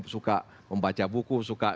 suka membaca buku suka